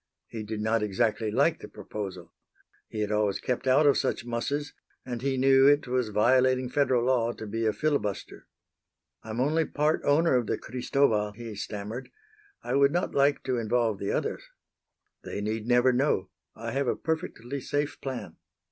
He did not exactly like the proposal. He had always kept out of such musses, and he knew it was violating Federal law to be a filibuster. "I'm only part owner of the Cristobal," he stammered. "I would not like to involve the others." "They need never know. I have a perfectly safe plan."